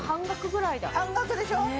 半額でしょ。